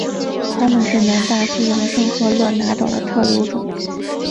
它们是南大西洋圣赫勒拿岛的特有种。